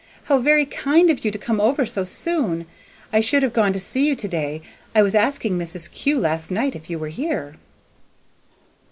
"How very kind of you to come over so soon! I should have gone to see you to day. I was asking Mrs. Kew last night if you were here."